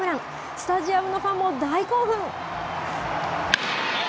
スタジアムのファンも大興奮。